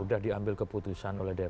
sudah diambil keputusan oleh dpr